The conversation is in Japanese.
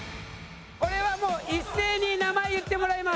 これはもう一斉に名前言ってもらいます。